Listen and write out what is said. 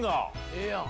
ええやん。